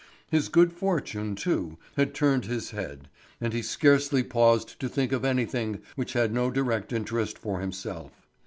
His good fortune, too, had turned his head, and he scarcely paused to think of anything which had no direct interest for himself.